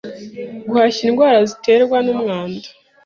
guhashya indwara ziterwa n’umwanda